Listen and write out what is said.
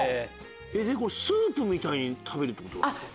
スープみたいに食べるってことですか？